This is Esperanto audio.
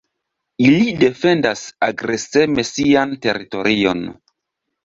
Ili defendas agreseme sian teritorion.